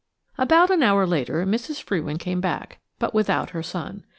2 ABOUT an hour later Mrs. Frewin came back, but without her son.